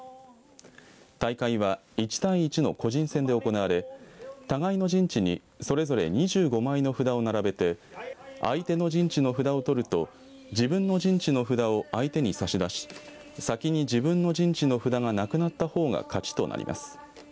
大会は１対１の個人戦で行われ互いの陣地にそれぞれ２５枚の札を並べて相手の陣地の札を取ると自分の陣地の札を相手に差し出し先に自分の陣地の札がなくなった方が勝ちとなります。